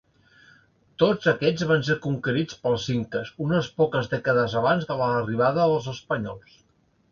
Tots aquests van ser conquerits pels inques unes poques dècades abans de l'arribada dels espanyols.